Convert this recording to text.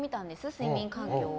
睡眠環境を。